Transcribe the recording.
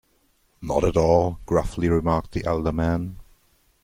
‘Not at all,’ gruffly remarked the elder man.